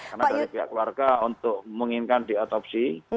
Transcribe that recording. karena dari pihak keluarga untuk menginginkan diotopsi